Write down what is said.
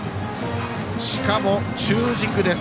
しかも、中軸です。